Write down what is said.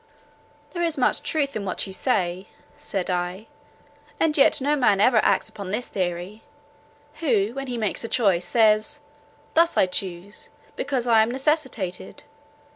"There is much truth in what you say," said I, "and yet no man ever acts upon this theory. Who, when he makes a choice, says, Thus I choose, because I am necessitated?